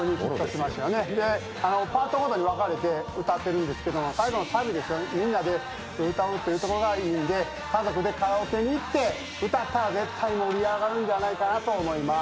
パートごとに分かれて歌っているんですけど、最後のサビ、みんなで歌うというところがいいので、家族でカラオケに行って歌ったら絶対盛り上がるんじゃないかなと思います。